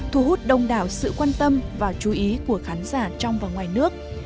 thu hút đông đảo sự quan tâm và chú ý của khán giả trong và ngoài nước